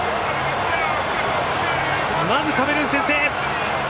まずカメルーン先制！